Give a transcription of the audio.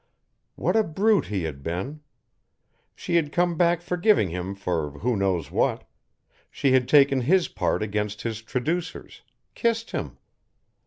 What a brute he had been! She had come back forgiving him for who knows what, she had taken his part against his traducers, kissed him.